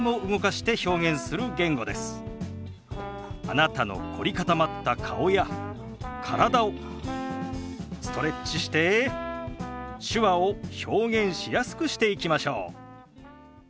あなたの凝り固まった顔や体をストレッチして手話を表現しやすくしていきましょう。